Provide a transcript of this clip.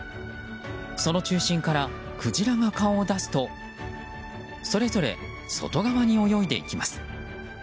その中心からクジラが顔を出すとそれぞれ外側に泳いでいきます。